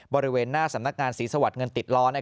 บริเวณหน้าสำนักงานศรีสวรรค์เงินติดล้อ